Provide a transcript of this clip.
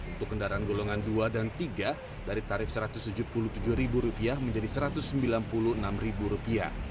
untuk kendaraan golongan dua dan tiga dari tarif rp satu ratus tujuh puluh tujuh menjadi rp satu ratus sembilan puluh enam